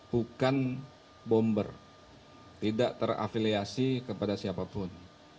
bukan bomber tidak terafiliasi kepada siapapun